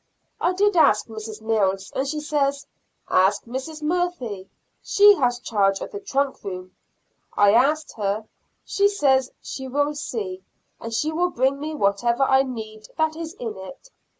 I did ask Mrs. Mills, and she says, "Ask Mrs. Murphy, she has charge of the trunk room." I asked her; she says she will see, and she will bring me whatever I need that is in it.